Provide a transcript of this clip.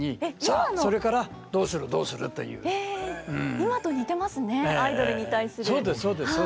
今と似てますねアイドルに対する。